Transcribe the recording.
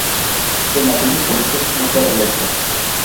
En aquellos comicios no fue reelecto.